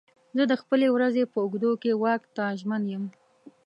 زه د خپلې ورځې په اوږدو کې واک ته ژمن یم.